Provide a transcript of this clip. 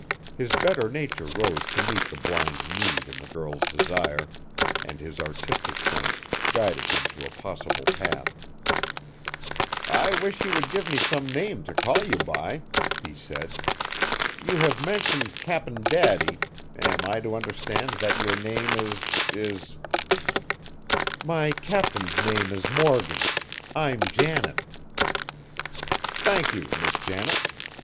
His better nature rose to meet the blind need in the girl's desire, and his artistic sense guided him to a possible path. "I wish you would give me some name to call you by," he said. "You have mentioned Cap'n Daddy, am I to understand that your name is is " "My Captain's name is Morgan: I'm Janet." "Thank you, Miss Janet.